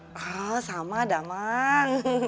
oh sama daman